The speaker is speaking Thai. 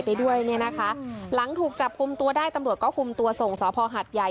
ไปด้วยเนี่ยนะคะหลังถูกจับคุมตัวได้ตำรวจก็คุมตัวส่งสพหัดใหญ่